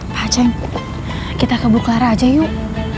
pak ceng kita ke buklara aja yuk